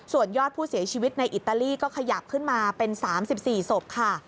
ส่วนยอดผู้เสียชีวิตในอิตาลีก็ขยับขึ้นมาเป็น๓๔ศพค่ะ